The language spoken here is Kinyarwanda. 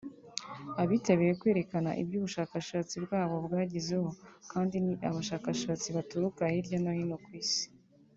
Abitabiriye kwerekana ibyo ubushakashatsi bwabo bwagezeho kandi ni abashakashatsi baturuka hirya no hino ku isi